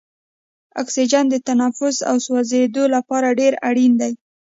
اکسیجن د تنفس او سوځیدو لپاره ډیر اړین دی.